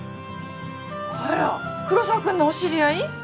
あらっ黒澤君のお知り合い？